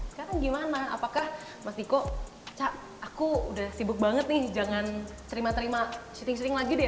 sekarang gimana apakah mas diko cak aku udah sibuk banget nih jangan terima terima syuting shooling lagi deh